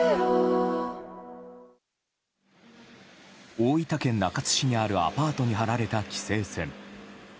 大分県中津市にあるアパートに張られた規制線。